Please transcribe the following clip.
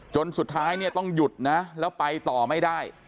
จนสุดท้ายเนี่ยต้องหยุดนะแล้วไปต่อไม่ได้